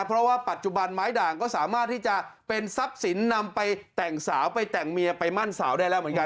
เพราะว่าปัจจุบันไม้ด่างก็สามารถที่จะเป็นทรัพย์สินนำไปแต่งสาวไปแต่งเมียไปมั่นสาวได้แล้วเหมือนกัน